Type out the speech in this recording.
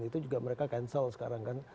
itu juga mereka cancel sekarang kan